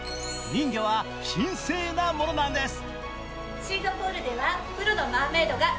人魚は神聖なものなんです。